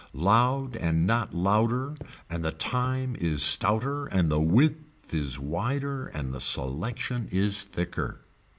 Loud and not louder and the time is stouter and the width is wider and the selection is thicker.